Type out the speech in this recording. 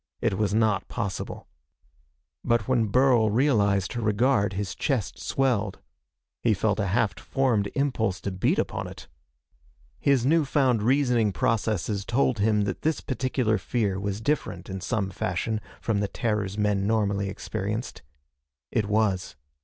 It was not possible. But when Burl realized her regard his chest swelled. He felt a half formed impulse to beat upon it. His new found reasoning processes told him that this particular fear was different in some fashion from the terrors men normally experienced. It was.